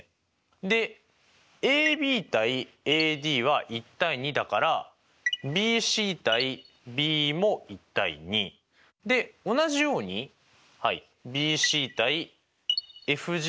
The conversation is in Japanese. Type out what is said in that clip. でＡＢ：ＡＤは１：２だからＢＣ：ＤＥも１：２。で同じようにＢＣ：ＦＧが１：３。